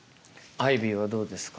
アイビーはどうですか？